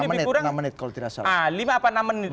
enam menit enam menit kalau tidak salah haa lima apa enam menit